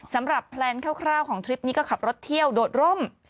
แพลนคร่าวของทริปนี้ก็ขับรถเที่ยวโดดร่ม